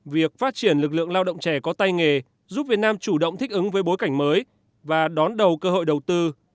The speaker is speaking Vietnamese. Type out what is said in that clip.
việc phát triển lực lượng lao động trẻ có tay nghề giúp việt nam chủ động thích ứng với bối cảnh mới và đón đầu cơ hội đầu tư